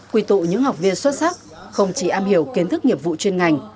quỳ tụ những học viên xuất sắc không chỉ am hiểu kiến thức nghiệp vụ chuyên ngành